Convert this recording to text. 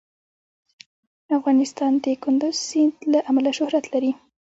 افغانستان د کندز سیند له امله شهرت لري.